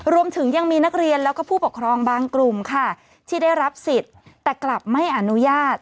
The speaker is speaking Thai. รวมถึงยังมีนักเรียนแล้วก็ผู้ปกครองบางกลุ่มค่ะที่ได้รับสิทธิ์แต่กลับไม่อนุญาต